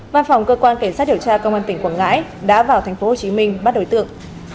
văn phòng cơ quan cảnh sát điều tra công an tỉnh quảng ngãi đã vào tp hcm bắt đối tượng